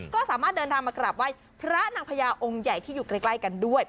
ก็สามารถเดินทางมากราบไหว้พระนางพญาองค์ใหญ่ที่อยู่ใกล้กันด้วย